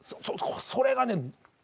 そうそれがね